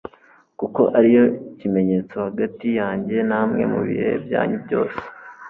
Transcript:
kuko ari yo kimenyetso hagati yanjye namwe mu bihe byanyu byose